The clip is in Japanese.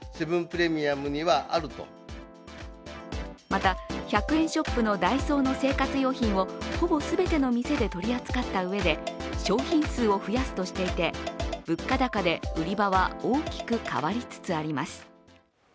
また１００円ショップのダイソーの生活用品をほぼ全ての店で取り扱ったうえで商品数を増やすとしていて物価高で売り場は大きく変わりつつあります。